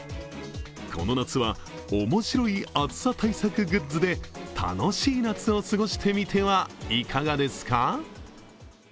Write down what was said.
この夏は面白い暑さ対策グッズで楽しい夏を過ごしてみてはいかがですか？